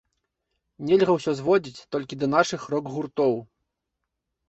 Нельга ўсё зводзіць толькі да нашых рок-гуртоў.